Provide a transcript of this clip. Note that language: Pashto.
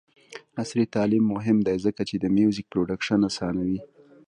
عصري تعلیم مهم دی ځکه چې د میوزیک پروډکشن اسانوي.